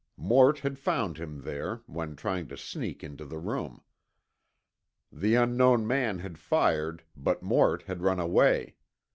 Mort had found him there, when trying to sneak into the room. The unknown man had fired, but Mort had run away.